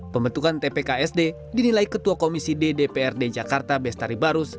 pembentukan tpksd dinilai ketua komisi ddprd jakarta bestari barus